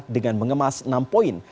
dengan mengemas enam poin